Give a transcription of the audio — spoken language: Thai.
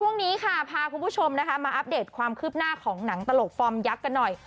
ช่วงนี้ค่ะพาคุณผู้ชมนะคะมาอัปเดตความคืบหน้าของหนังตลกฟอร์มยักษ์กันหน่อย